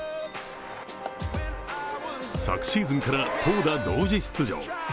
昨シーズンから投打同時出場。